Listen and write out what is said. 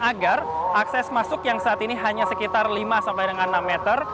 agar akses masuk yang saat ini hanya sekitar lima sampai dengan enam meter